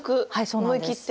思い切って？